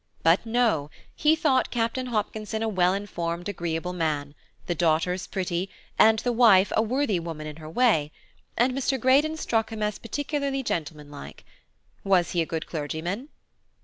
But no! he thought Captain Hopkinson a well informed agreeable man, the daughters pretty, and the wife a worthy woman in her way; and Mr. Greydon struck him as particularly gentleman like. Was he a good clergyman?